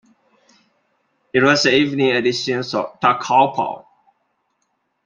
It was the evening edition of "Ta Kung Pao".